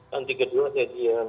nanti kedua saya diam